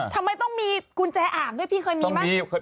ทำไมต้องมีกุญแจอ่างด้วยพี่เคยมีไหม